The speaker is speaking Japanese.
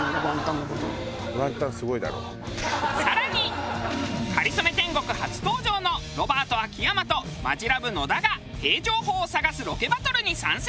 更に『かりそめ天国』初登場のロバート秋山とマヂラブ野田がへぇ情報を探すロケバトルに参戦。